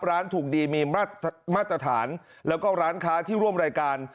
ร้านถูกดีมีมาตรฐานแล้วก็ร้านค้าที่ร่วมรายการ